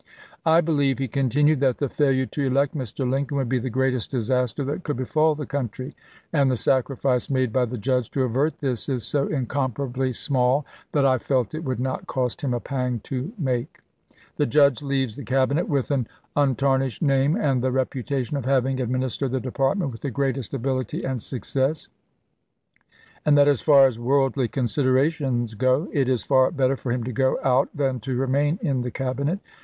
"I believe," he continued, "that the failure to elect Mr. Lincoln would be the greatest disaster that could befall the country, and the sacrifice made by the Judge to avert this is so incomparably small Lincoln to Blair, Sept. 23, 1864. MS. 342 ABRAHAM LINCOLN chap. sv. that I felt it would not cost him a pang to make. ... The Judge leaves the Cabinet with an untar nished name and the reputation of having admin istered the department with the greatest ability and success ; and that as far as worldly considera tions go, it is far better for him to go out than to remain in the Cabinet.